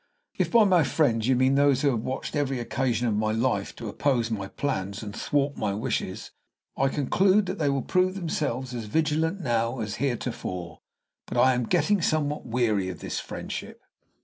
"If by my friends you mean those who have watched every occasion of my life to oppose my plans and thwart my wishes, I conclude that they will prove themselves as vigilant now as heretofore; but I am getting somewhat weary of this friendship."